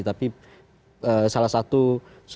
tapi salah satu hasil survei